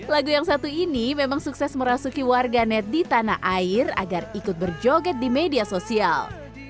lagu yang satu ini memang sukses merasuki warga net di tanah air agar ikut berjoget di media sosial